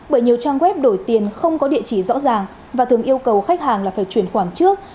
bởi nhiều trang web đổi tiền không có địa chỉ rõ ràng và thường yêu cầu khách hàng là phải chuyển khoản trước